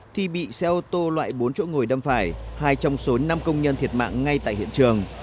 thì bị xe ô tô loại bốn chỗ ngồi đâm phải hai trong số năm công nhân thiệt mạng ngay tại hiện trường